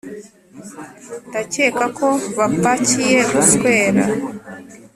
ndakeka ko bapakiye guswera,